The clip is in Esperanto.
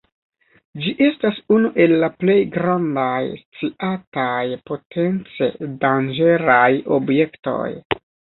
Ĝi estas unu el la plej grandaj sciataj potence danĝeraj objektoj.